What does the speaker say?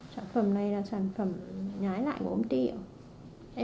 sản phẩm này là sản phẩm nhái lại của ổng tiệu